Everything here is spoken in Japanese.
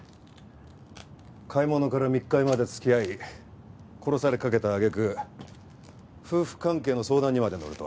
買い物から密会まで付き合い殺されかけた揚げ句夫婦関係の相談にまで乗るとは。